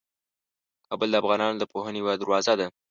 کابل د افغانانو د پوهنې یوه دروازه ده.